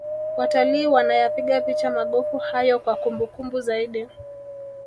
watalii wanayapiga picha magofu hayo kwa kumbukumbu zaidi